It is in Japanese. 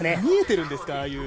見えているんですか？